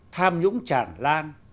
tham nhũng chản lan